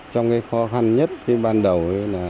trong cái khó khăn nhất thì ban đầu